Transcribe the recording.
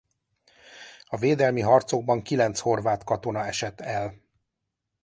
A védelmi harcokban kilenc horvát katona esett el.